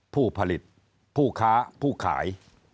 ผู้ผลิตผู้ค้าผู้ขาย